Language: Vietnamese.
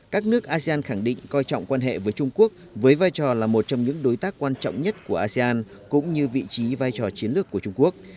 các nước asean khẳng định coi trọng quan hệ với trung quốc với vai trò là một trong những đối tác quan trọng nhất của asean cũng như vị trí vai trò chiến lược của trung quốc